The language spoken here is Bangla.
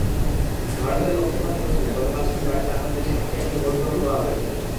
ভারতের লোকসভা নির্বাচনে গতকাল শনিবার চার রাজ্যের সাতটি আসনে ভোট গ্রহণ করা হয়েছে।